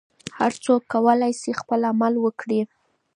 هر څوک کولای شي عمل وکړي.